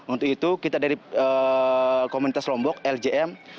untuk itu kita dari komunitas lombok ljm